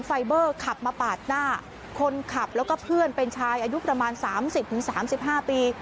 ไฟเบอร์ขับมาปาดหน้าคนขับแล้วก็เพื่อนเป็นชายอายุประมาณสามสิบถึงสามสิบห้าปี